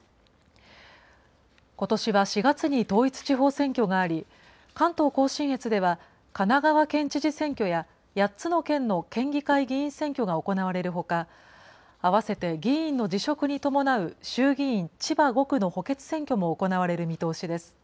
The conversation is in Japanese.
ことしは４がつにとういつちほう選挙があり、関東甲信越では、神奈川県知事選挙や８つの県の県議会議員選挙が行われるほか、あわせて議員の辞職に伴う衆議院千葉５区の補欠選挙も行われる見通しです。